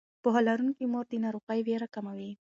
پوهه لرونکې مور د ناروغۍ ویره کموي.